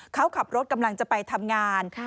เขาขับรถกำลังจะไปทำงาน